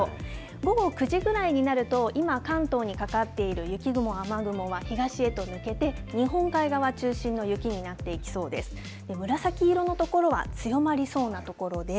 午後９時ぐらいになると、今、関東にかかっている雪雲、雨雲は東へと抜けて、日本海側中心の雪になっていきそうです。